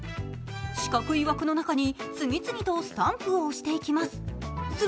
四角い枠の中に次々とスタンプを押していきます。